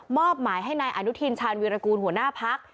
อบหมายให้นายอนุทินชาญวิรากูลหัวหน้าพัก